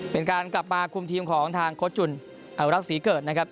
เป็นการกลับมาคุมทีมของทางโค้ชจุ่นอนุรักษ์ศรีเกิดนะครับ